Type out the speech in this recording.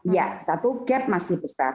ya satu gap masih besar